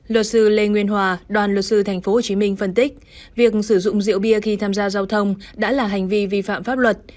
luật sư lê nguyên hòa đoàn luật sư tp hcm phân tích việc sử dụng rượu bia khi tham gia giao thông đã là hành vi vi phạm pháp luật